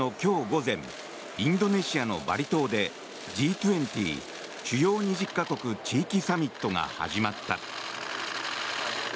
午前インドネシアのバリ島でＧ２０＝主要２０か国・地域サミットが始まった。